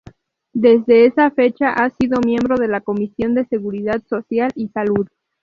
Desde esa fecha, ha sido miembro de la Comisión de Seguridad Social y Salud.